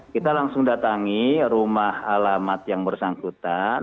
kita langsung datangi rumah alamat yang bersangkutan